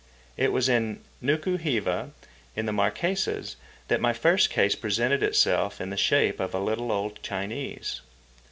It was in Nuku hiva, in the Marquesas, that my first case presented itself in the shape of a little, old Chinese.